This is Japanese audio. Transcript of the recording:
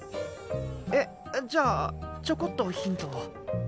えっじゃあちょこっとヒントを。